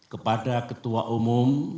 kepada ketua umum